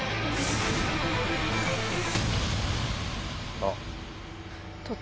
あっ！